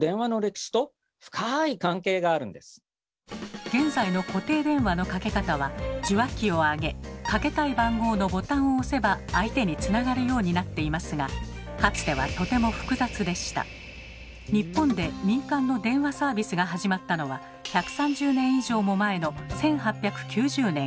これは現在の固定電話のかけ方は受話器をあげかけたい番号のボタンを押せば相手につながるようになっていますが日本で民間の電話サービスが始まったのは１３０年以上も前の１８９０年。